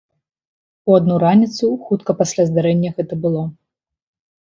У адну раніцу, хутка пасля здарэння гэта было.